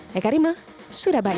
saya karima surabaya